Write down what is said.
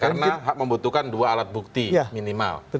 karena membutuhkan dua alat bukti minimal